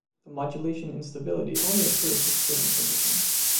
The modulation instability only occurs with certain conditions.